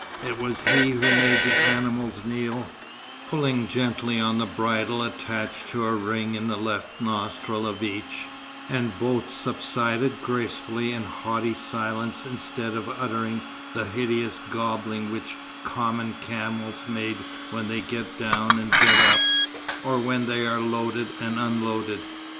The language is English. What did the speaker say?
It was he who made the animals kneel, pulling gently on the bridle attached to a ring in the left nostril of each; and both subsided gracefully in haughty silence instead of uttering the hideous gobbling which common camels make when they get down and get up, or when they are loaded or unloaded.